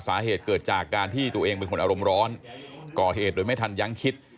สาเหตุเกิดจากการที่ตัวเองเป็นคนอารมณ์ร้อนก่อเหตุโดยไม่ทันยังคิด